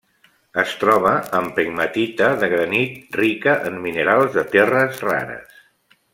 Es troba en pegmatita de granit rica en minerals de terres rares.